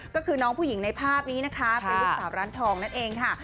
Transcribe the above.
ก็คือน้องผู้หญิงในภาพนี้นะคะเป็นลูกสาวร้านทองนั่นเองค่ะ